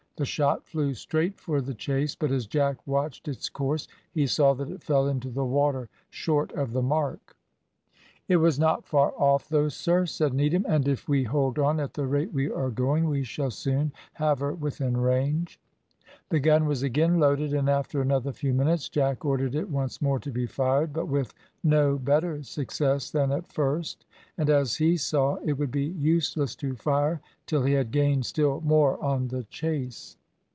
The shot flew straight for the chase, but as Jack watched its course, he saw that it fell into the water short of the mark. "It was not far off, though, sir," said Needham, "and if we hold on at the rate we are going, we shall soon have her within range." The gun was again loaded, and after another few minutes Jack ordered it once more to be fired, but with no better success than at first, and, as he saw, it would be useless to fire till he had gained still more on the chase.